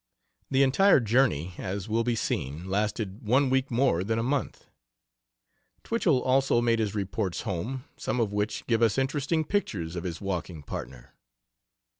The entire journey, as will be seen, lasted one week more than a month. Twichell also made his reports home, some of which give us interesting pictures of his walking partner.